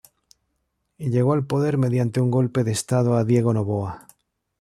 Llegó al poder mediante un golpe de estado a Diego Noboa.